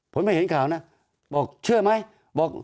ผมไม่เห็นข่าวนะบอกเชื่อไหม